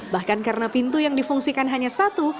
bahkan karena pintu yang difungsikan hanya satu